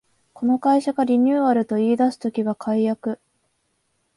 この会社がリニューアルと言いだす時は改悪